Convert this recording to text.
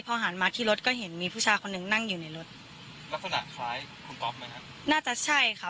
พอหามาที่รถก็เห็นมีผู้ชายคนนึงนั่งอยู่รถนัดใช่ค่ะ